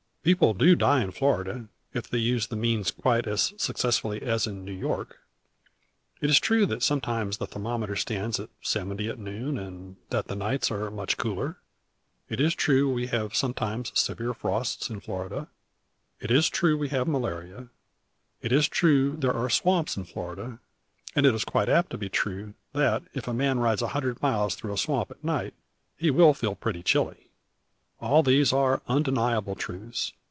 People do die in Florida, if they use the means quite as successfully as in New York. It is true that sometimes the thermometer stands at seventy at noon, and that the nights are much cooler; it is true we have sometimes severe frosts in Florida; it is true we have malaria; it is true that there are swamps in Florida; and it is quite apt to be true, that, if a man rides a hundred miles through a swamp at night, he will feel pretty chilly. All these are undeniable truths.